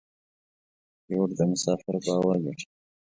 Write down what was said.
پیلوټ د مسافرو باور ګټي.